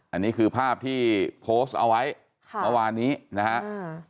อันนี้คือภาพที่โพสต์เอาไว้ค่ะเมื่อวานนี้นะฮะ